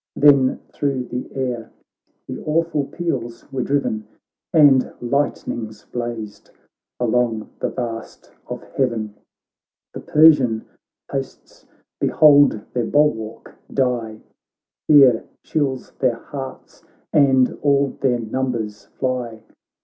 Then thro' the air the awful peals were driven. And lightnings blazed along the vast of heaven ; The Persian hosts behold their bulwark die. Fear chilis their hearts, and all their numbers fly.